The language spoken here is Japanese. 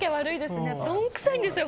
どんくさいんですよ。